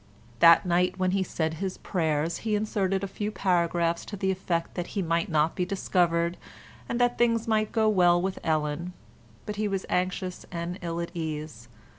That night when he said his prayers, he inserted a few paragraphs to the effect that he might not be discovered, and that things might go well with Ellen, but he was anxious and ill at ease.